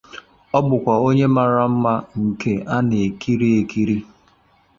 Ọ bụkwa onye mara nma nke ana-ekịrị ekịrị.